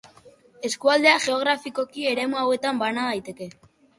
Eskualdea geografikoki eremu hauetan bana daiteke.